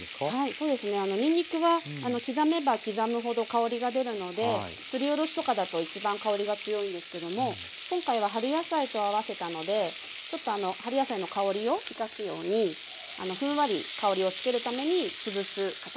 にんにくは刻めば刻むほど香りが出るのですりおろしとかだと一番香りが強いですけども今回は春野菜と合わせたのでちょっと春野菜の香りを生かすようにふんわり香りを付けるために潰す形にしました。